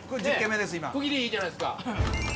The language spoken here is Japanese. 区切りいいじゃないですか。